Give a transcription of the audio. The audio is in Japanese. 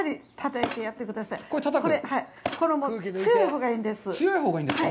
これ、強いほうがいいんです。